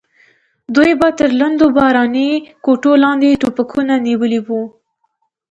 دوی به تر لندو باراني کوټو لاندې ټوپکونه نیولي وو.